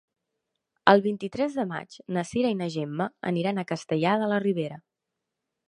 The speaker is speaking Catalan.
El vint-i-tres de maig na Cira i na Gemma aniran a Castellar de la Ribera.